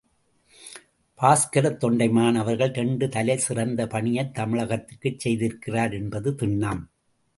பாஸ்கரத் தொண்டைமான் அவர்கள் இரண்டு தலை சிறந்த பணியை தமிழகத்திற்கு செய்திருக்கிறார் என்பது திண்ணம்.